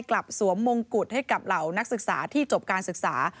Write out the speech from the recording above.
สวมมงกุฎให้กับเหล่านักศึกษาที่จบการศึกษา